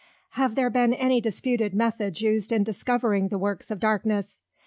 Have there been any disputed Methods used in discovering the Works of Darkness?